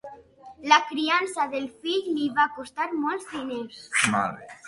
La criança del fill li va costar molts diners.